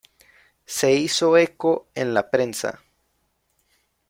Se hizo eco en la prensa.